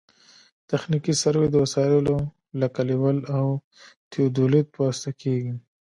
تخنیکي سروې د وسایلو لکه لیول او تیودولیت په واسطه کیږي